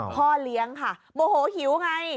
พ่อเลี้ยงค่ะโมโหหิวไง